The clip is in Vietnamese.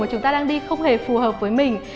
chúng ta đang đi không hề phù hợp với mình